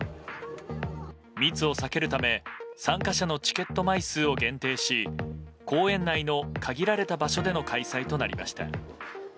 密を避けるため参加者のチケット枚数を限定し公園内の限られた場所での開催となりました。